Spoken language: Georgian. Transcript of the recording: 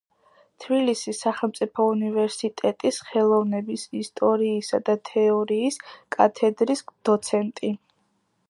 თბილისის სახელმწიფო უნივერსიტეტის ხელოვნების ისტორიისა და თეორიის კათედრის დოცენტი.